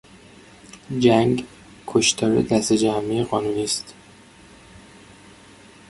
جنگ کشتار دسته جمعی قانونی است.